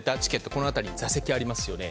この辺り、座席ありますよね。